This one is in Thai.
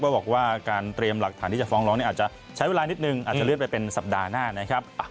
บอกว่าการเตรียมหลักฐานที่จะฟ้องร้องอาจจะใช้เวลานิดนึงอาจจะเลื่อนไปเป็นสัปดาห์หน้านะครับ